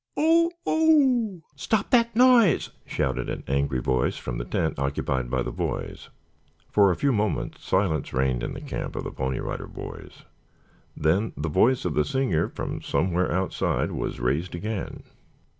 oh oh!" "Stop that noise!" shouted an angry voice from the tent occupied by the boys. For a few moments silence reigned in the camp of the Pony Rider Boys. Then the voice of the singer from somewhere outside was raised again.